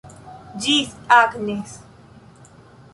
Ĝis, Agnes.